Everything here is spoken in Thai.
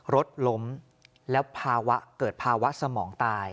รถล้มแล้วภาวะเกิดภาวะสมองตาย